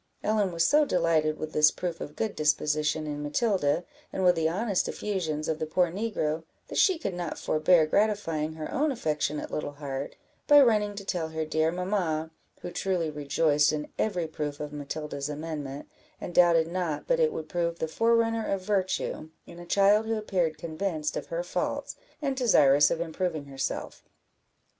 Ellen was so delighted with this proof of good disposition in Matilda, and with the honest effusions of the poor negro, that she could not forbear gratifying her own affectionate little heart, by running to tell her dear mamma, who truly rejoiced in every proof of Matilda's amendment, and doubted not but it would prove the forerunner of virtue, in a child who appeared convinced of her faults, and desirous of improving herself.